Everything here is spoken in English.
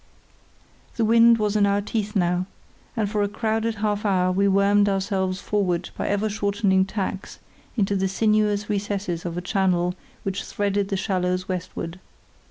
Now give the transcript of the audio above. The wind was in our teeth now, and for a crowded half hour we wormed ourselves forward by ever shortening tacks into the sinuous recesses of a channel which threaded the shallows westward.